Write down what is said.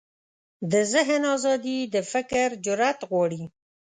د ذهن ازادي د فکر جرئت غواړي.